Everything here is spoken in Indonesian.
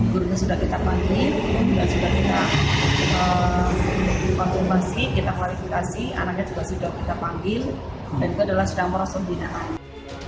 gurunya sudah kita panggil dan sudah kita konfirmasi kita klarifikasi anaknya juga sudah kita panggil dan itu adalah sudah merosot binaan